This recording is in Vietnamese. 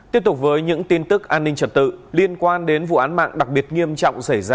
tiếp tục với những tin tức an ninh trật tự liên quan đến vụ án mạng đặc biệt nghiêm trọng xảy ra